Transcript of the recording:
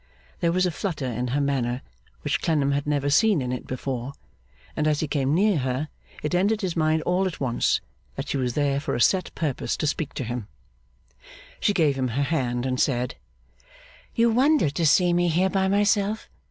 There was a flutter in her manner, which Clennam had never seen in it before; and as he came near her, it entered his mind all at once that she was there of a set purpose to speak to him. She gave him her hand, and said, 'You wonder to see me here by myself?